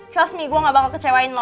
trust me gue gak bakal kecewain lo